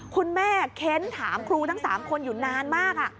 คุณแม่เค้นถามครูทั้ง๓คนอยู่นานมาก